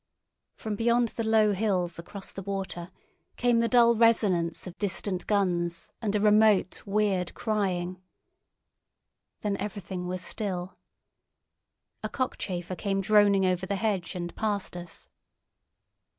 From beyond the low hills across the water came the dull resonance of distant guns and a remote weird crying. Then everything was still. A cockchafer came droning over the hedge and past us.